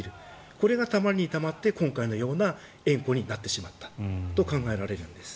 これがたまりにたまって今回のような縁故になってしまったと考えられるんです。